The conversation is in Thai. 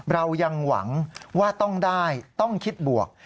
เรายังหวังว่าต้องได้ต้องคิดบวก